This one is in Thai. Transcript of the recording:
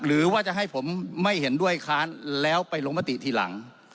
หรือว่าจะให้ผมไม่เห็นด้วยค้านแล้วไปลงมติทีหลัง